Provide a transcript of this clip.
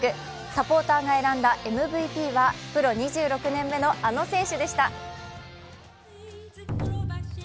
サポーターが選んだＭＶＰはプロ２６年目のあの人でした。